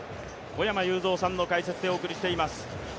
小山裕三さんの解説でお伝えしています。